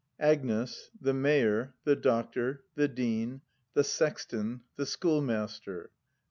Agnes. The Mayor. The Doctor. The Dean. The Sexton. The Schoolmaster.